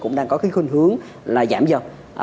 cũng đang có cái khuyên hướng là giảm dần